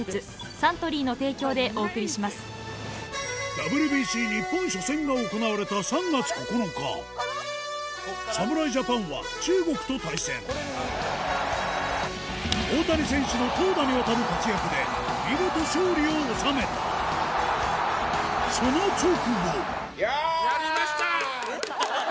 ＷＢＣ日本初戦が行われた３月９日侍ジャパンは中国と対戦大谷選手の投打にわたる活躍で見事勝利を収めたその直後えっ？